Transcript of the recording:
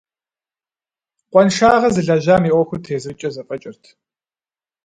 Къуаншагъэ зылэжьам и ӏуэхур тезыркӏэ зэфӏэкӏырт.